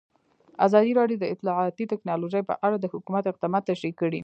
ازادي راډیو د اطلاعاتی تکنالوژي په اړه د حکومت اقدامات تشریح کړي.